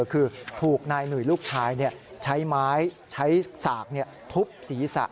คือถูกนายหนุ่ยลูกชายใช้ไม้ใช้สากทุบศีรษะ